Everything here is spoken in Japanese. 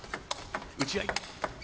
打ち合い。